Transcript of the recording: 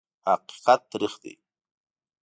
حقیقت تریخ دی .